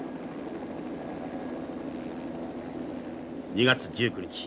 ２月１９日